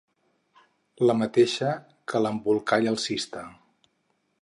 La mateixa que l'Embolcall alcista.